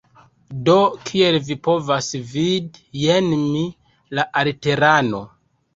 Do, kiel vi povas vidi, jen mi, la aliterano